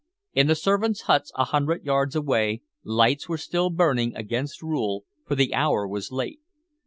In the servants' huts, a hundred yards away, lights were still burning, against rule, for the hour was late.